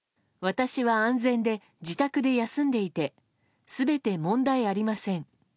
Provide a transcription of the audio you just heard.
私は安全で、自宅で休んでいて全て問題ありません。